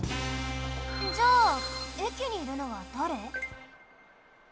じゃあえきにいるのはだれ？